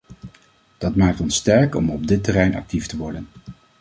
Dat maakt ons sterk om op dit terrein actief te worden.